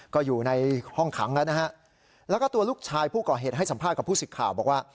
ก็อยู่ในห้องขังแล้วนะฮะแล้วก็ตัวลูกชายผู้ก่อเหตุให้สัมภาษณ์กับผู้สิทธิ์ข่าวบอกว่า